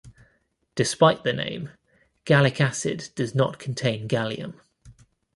Despite the name, gallic acid does not contain gallium.